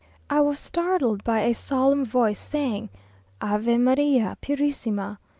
I was startled by a solemn voice, saying, "Ave María Purissima!"